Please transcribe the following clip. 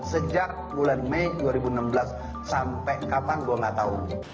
sejak bulan mei dua ribu enam belas sampai kapan gue gak tahu